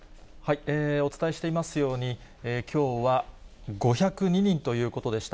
お伝えしていますように、きょうは５０２人ということでした。